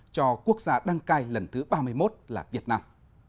cho quốc gia đăng cai lần thứ ba mươi một là việt nam